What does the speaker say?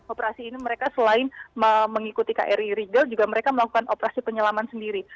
operasi ini mereka selain mengikuti kri rigel juga mereka melakukan operasi penyelaman sendiri